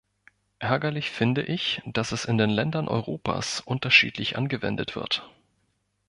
Ärgerlich finde ich, dass es in den Ländern Europas unterschiedlich angewendet wird.